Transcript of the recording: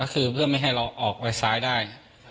ก็คือเพื่อไม่ให้เราออกไปซ้ายได้